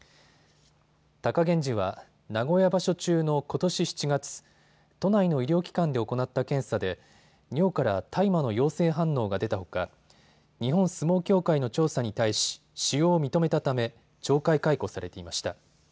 貴源治は名古屋場所中のことし７月、都内の医療機関で行った検査で尿から大麻の陽性反応が出たほか日本相撲協会の調査に対し使用を認めたため懲戒解雇されていました。